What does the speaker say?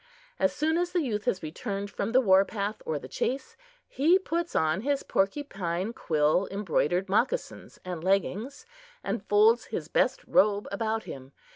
As soon as the youth has returned from the war path or the chase, he puts on his porcupine quill embroidered moccasins and leggings, and folds his best robe about him.